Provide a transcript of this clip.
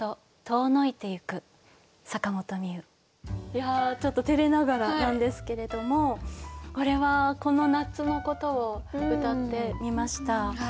いやちょっとてれながらなんですけれどもこれはこの夏のことをうたってみました。